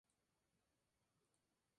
Entonces Logan decide esconder el diamante.